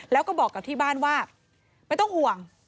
แล้วก็บอกกับที่บ้านว่าไม่ต้องห่วง